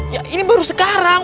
ya ini baru sekarang